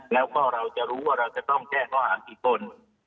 แล้วก็เราจะรู้ว่าเราจะต้องแจ้งข้อหารกี่คน